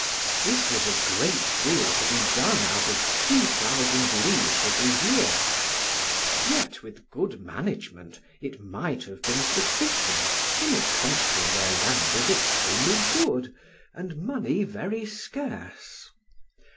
This was a great deal to be done out of two thousand livres a year; yet, with good management, it might have been sufficient in a country where land is extremely good, and money very scarce.